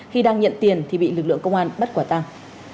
khi đang nhận tiền thì bị lực lượng công an bắt quả tăng